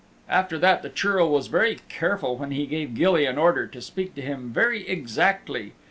After that the Churl was very careful when he gave Gilly an order to speak to him very exactly.